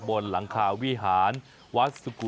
บนหลังคาวิหารวัดสุกุ